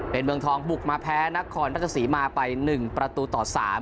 เป็นเบื้องทองบุกมาแพ้นักคอนรักษฎีมาไป๑ประตูต่อ๓